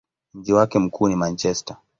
Mji wake mkuu ni Manchester.